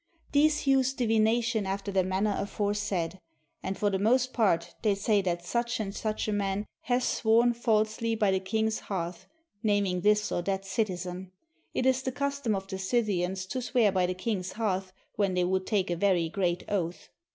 These use divination after the manner aforesaid; and for the most part they say that such and such a man hath sworn falsely by the CUSTOMS OF THE SCYTHIANS king's hearth, naming this or that citizen. (It is the cus tom of the Scythians to swear by the king's hearth when they would take a very great oath.)